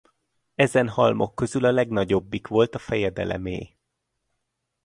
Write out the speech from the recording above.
Ezen halmok közül a legnagyobbik volt a fejedelemé.